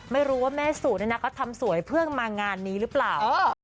ไม่รู้ว่าแม่สุเนี่ยนะเขาทำสวยเพื่อมางานนี้หรือเปล่า